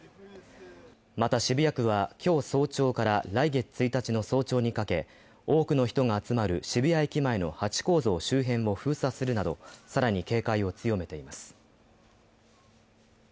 また、渋谷区は今日早朝から来月１日の早朝にかけ、多くの人が集まる渋谷駅前のハチ公像周辺を封鎖するなど更に警戒を強めています。